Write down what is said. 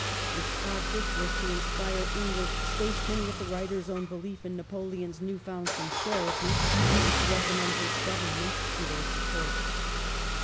Its object was to inspire English statesmen with the writer's own belief in Napo leon's new found sincerity, and to recommend his government to their support.